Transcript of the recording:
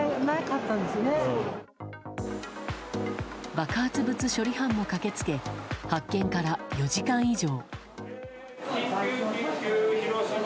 爆発物処理班も駆けつけ発見から４時間以上。